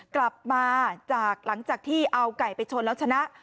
กลับมาจากหลังจากที่เอาไก่ไปชนแล้วชนะ